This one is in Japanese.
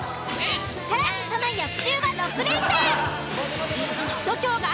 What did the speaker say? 更にその翌週は６連単。